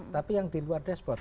tapi yang di luar dashboard